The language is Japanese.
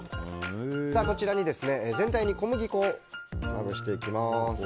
全体に小麦粉をまぶしていきます。